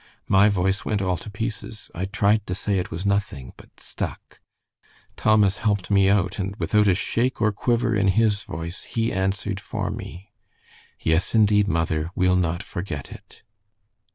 My voice went all to pieces. I tried to say it was nothing, but stuck. Thomas helped me out, and without a shake or quiver in his voice, he answered for me. "'Yes, indeed, mother, we'll not forget it.'